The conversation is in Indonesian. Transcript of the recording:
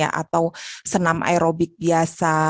atau senam aerobik biasa